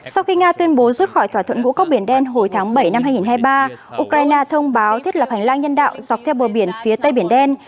sau khi nga tuyên bố rút khỏi thỏa thuận ngũ cốc biển đen hồi tháng bảy năm hai nghìn hai mươi ba ukraine thông báo thiết lập hành lang nhân đạo dọc theo bờ biển phía tây biển đen